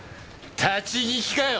立ち聞きかよ！